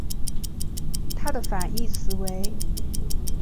它的反义词为。